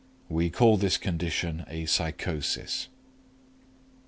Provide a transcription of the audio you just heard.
We call this condition a psychosis.